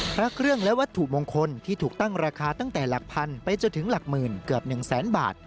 พระเครื่องและวัตถุมงคลที่ถูกตั้งราคาตั้งแต่หลักพันไปจนถึงหลักหมื่นเกือบ๑แสนบาท